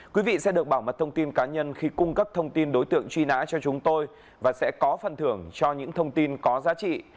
quý vị sẽ được bảo mật thông tin cá nhân khi cung cấp thông tin đối tượng truy nã cho chúng tôi và sẽ có phần thưởng cho những thông tin có giá trị